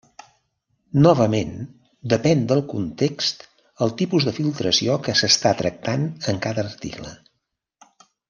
Novament, depèn del context el tipus de filtració que s'està tractant en cada article.